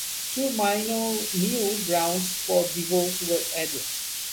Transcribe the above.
Two minor new grounds for divorce were added.